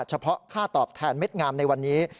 เฉพาะค่าตอบแทนเม็ดงามในวันนี้